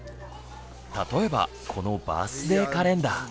例えばこのバースデーカレンダー。